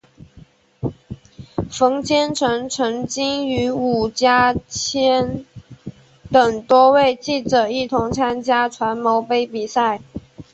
冯坚成曾经与伍家谦等多位记者一同参加传媒杯比赛。